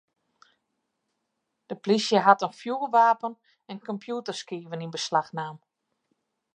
De plysje hat in fjoerwapen en kompjûterskiven yn beslach naam.